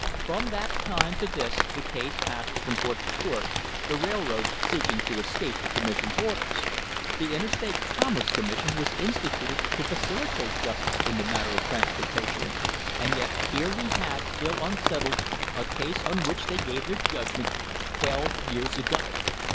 From that time to this the case passes from court to court, the railroad seeking to escape the Commission's orders. The Interstate Commerce Commission was instituted to facilitate justice in this matter of transportation, and yet here we have still unsettled a case on which they gave their judgment twelve years ago.